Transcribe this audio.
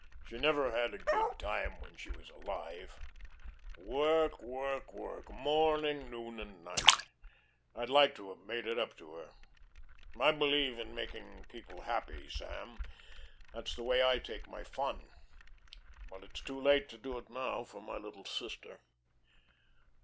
She never had a good time when she was alive. Work, work, work; morning, noon, and night. I'd like to have made it up to her. I believe in making people happy, Sam. That's the way I take my fun. But it's too late to do it now for my little sister."